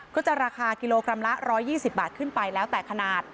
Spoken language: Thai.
ก็จะราคากิโลกรัมละ๑๒๐บาทขึ้นไปแล้วแต่ขนาด